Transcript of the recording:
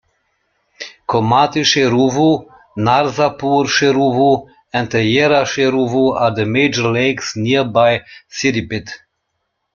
Komati Cheruvu, Narsapur Cheruvu and the Yerra Cheruvu are the major lakes nearby Siddipet.